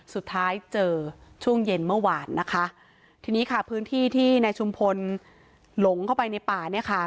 สุดท้ายเจอช่วงเย็นเมื่อวานนะคะทีนี้ค่ะพื้นที่ที่นายชุมพลหลงเข้าไปในป่าเนี่ยค่ะ